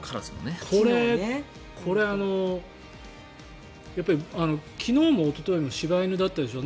これ、やっぱり昨日もおとといも柴犬だったでしょ。